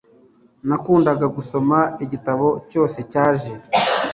Nakundaga gusoma igitabo cyose cyaje